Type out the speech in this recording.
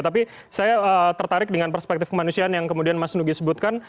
tapi saya tertarik dengan perspektif kemanusiaan yang kemudian mas nugi sebutkan